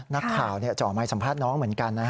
นักข่าวจะออกมาสัมภาษณ์น้องเหมือนกันนะ